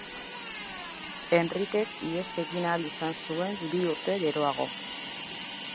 Henrikek ihes egin ahal izan zuen bi urte geroago.